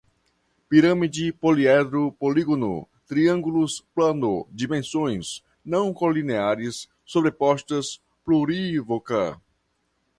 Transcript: pirâmide, poliedro, polígono, triângulos, plano, dimensões, não colineares, sobrepostas, plurívoca